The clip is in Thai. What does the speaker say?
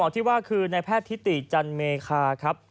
ที่ว่าคือในแพทย์ทิติจันเมคาครับ